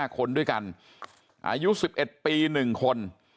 ๕คนด้วยกันอายุ๑๑ปี๑คน